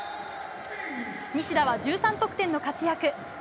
西田は１３得点の活躍。